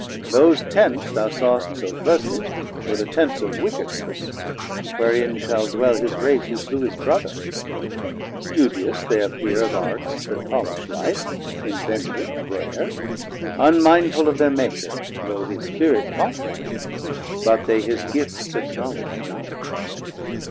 Those Tents thou sawst so pleasant, were the Tents Of wickedness, wherein shall dwell his Race Who slew his Brother; studious they appere Of Arts that polish Life, Inventers rare, Unmindful of thir Maker, though his Spirit Taught them, but they his gifts acknowledg'd none.